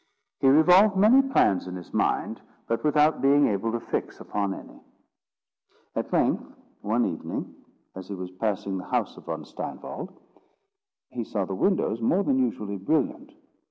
He revolved many plans in his mind, but without being able to fix upon any. At length, one evening, as he was passing the house of Von Steinwald, he saw the windows more than usually brilliant.